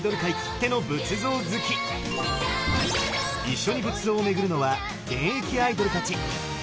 一緒に仏像を巡るのは現役アイドルたち！